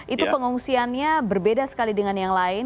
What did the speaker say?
itu pengungsiannya berbeda sekali dengan yang lain